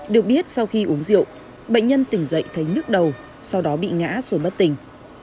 được biết sau khi uống rượu bệnh nhân tỉnh dậy thấy nhức đầu sau đó bị ngã rồi bất tỉnh